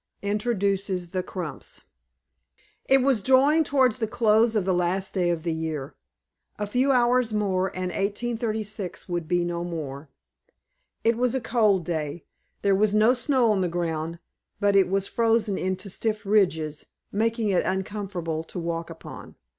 INTRODUCES THE CRUMPS. IT was drawing towards the close of the last day of the year. A few hours more, and 1836 would be no more. It was a cold day. There was no snow on the ground, but it was frozen into stiff ridges, making it uncomfortable to walk upon.